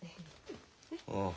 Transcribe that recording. ああ。